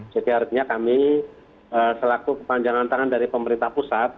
jadi harapnya kami selaku kepanjangan tangan dari pemerintah pusat